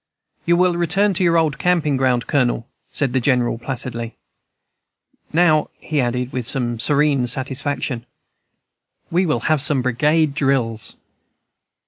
"'You will return to your old camping ground, Colonel,' said the General, placidly. 'Now,' he added with serene satisfaction, 'we will have some brigade drills!'